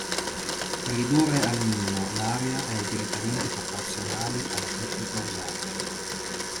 Ridurre al minimo l'area è direttamente proporzionale alla tecnica usata.